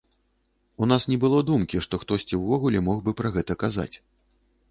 У нас не было думкі, што хтосьці ўвогуле мог бы пра гэта казаць.